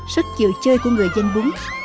tức chịu chơi của người dân búng